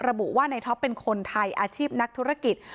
ระบุว่าในท็อปเป็นคนไทยอาชีพนักธุรกิจ